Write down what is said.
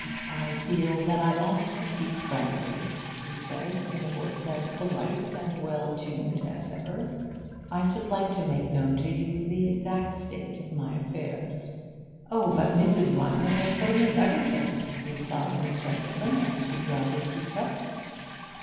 'I feel that I ought to speak frankly,' he said, in a voice as polite and well tuned as ever. 'I should like to make known to you the exact state of my affairs.' 'Oh, but Mrs. Rymer has told me everything,' replied Miss Shepperson, as she dried a tea cup.